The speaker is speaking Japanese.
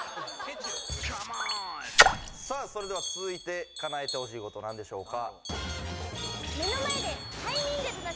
それでは続いてかなえてほしいこと何でしょうか